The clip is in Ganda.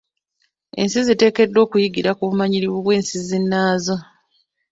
Ensi ziteekeddwa okuyigira ku bumanyirivu bw'ensi zinnaazo.